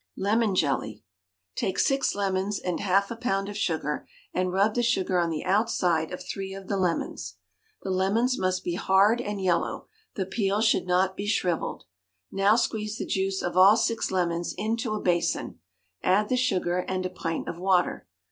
LEMON JELLY. Take six lemons and half a pound of sugar, and rub the sugar on the outside of three of the lemons; the lemons must be hard and yellow, the peel should not be shrivelled. Now squeeze the juice of all six lemons into a basin, add the sugar and a pint of water.